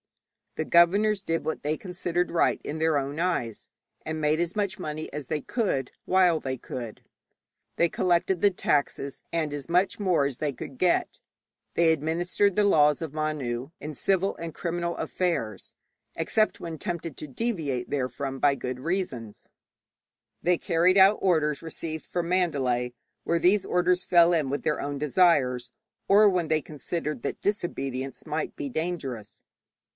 The governors did what they considered right in their own eyes, and made as much money as they could, while they could. They collected the taxes and as much more as they could get; they administered the laws of Manu in civil and criminal affairs, except when tempted to deviate therefrom by good reasons; they carried out orders received from Mandalay, when these orders fell in with their own desires, or when they considered that disobedience might be dangerous.